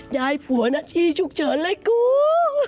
ยายผัวหน้าที่ฉุกเฉินเลยกู